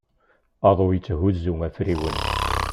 Aḍu yetthuzu afriwen.